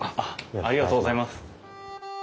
ありがとうございます。